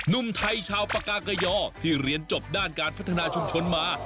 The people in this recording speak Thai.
หนุ่มไทยชาวปากากยอที่เรียนจบด้านการพัฒนาชุมชนมา